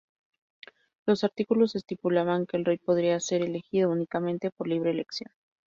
Los Artículos estipulaban que el rey podría ser elegido únicamente por "libre elección".